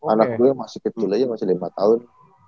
anak gue masih kecil aja masih lima tahun